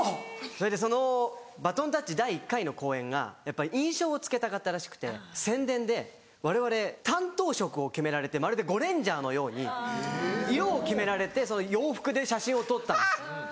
それでそのバトンタッチ第１回の公演が印象をつけたかったらしくて宣伝でわれわれ担当色を決められてまるで『ゴレンジャー』のように色を決められてその洋服で写真を撮ったんです。